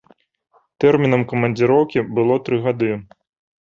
Тэрмінам камандзіроўкі было тры гады.